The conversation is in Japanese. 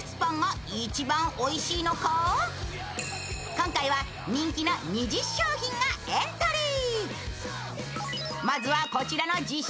今回は人気の２０商品がエントリー。